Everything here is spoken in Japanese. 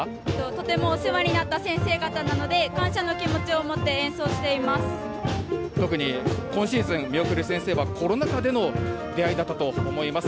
とてもお世話になった先生方なので、感謝の気持ちを持って演特に、今シーズン見送る先生は、コロナ禍での出会いだったと思います。